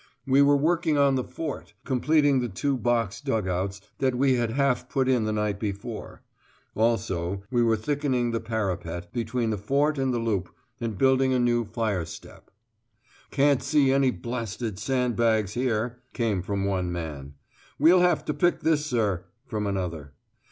We were working on the Fort, completing two box dug outs that we had half put in the night before; also, we were thickening the parapet, between the Fort and the Loop, and building a new fire step. "Can't see any b sand bags here," came from one man. "We'll have to pick this, sir," from another.